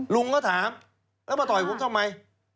ลุงก็ถามแล้วมาต่อยผมทำไม